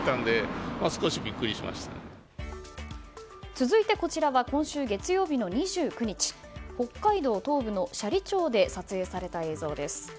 続いて、こちらは今週月曜日の２９日北海道東部の斜里町で撮影された映像です。